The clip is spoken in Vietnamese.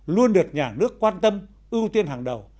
luôn được nhà nước quan tâm ưu tiên hàng đầu